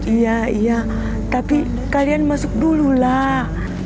iya iya tapi kalian masuk dulu lah